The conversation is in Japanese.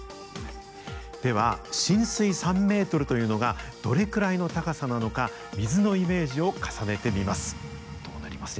では浸水３ｍというのがどれくらいの高さなのか水のイメージを重ねてみます。